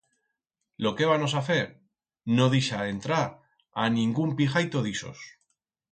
Lo que hébanos a fer, no dixar entrar a ningún pijaito d'ixos.